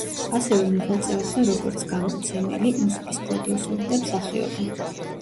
ასევე მოღვაწეობდა როგორც გამომცემელი, მუსიკის პროდიუსერი და მსახიობი.